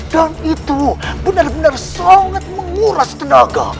dan itu benar benar sangat menguras tenaga